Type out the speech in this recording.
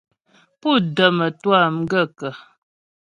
Pú də mətwâ m gaə́kə̀ ?